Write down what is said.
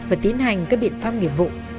và tiến hành các biện pháp nghiệp vụ